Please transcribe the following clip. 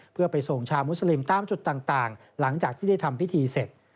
เพื่อไปส่งชาวมุสลิมตามจุดต่างหลังจากที่ได้ทำพิธีเสร็จ